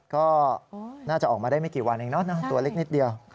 ก็น่าจะออกมาได้ไม่กี่วันเองเนาะตัวเล็กนิดเดียว